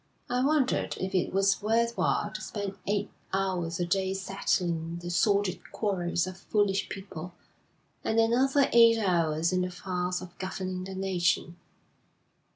I wondered if it was worth while to spend eight hours a day settling the sordid quarrels of foolish people, and another eight hours in the farce of governing the nation.'